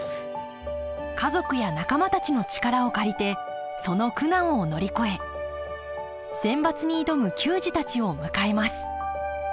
家族や仲間たちの力を借りてその苦難を乗り越えセンバツに挑む球児たちを迎えます